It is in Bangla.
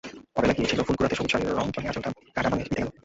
অবেলায় গিয়েছিল ফুল কুড়াতে, সবুজ শাড়ির রংচঙে আঁচলটি কাঁটা বনে বিঁধে গেল।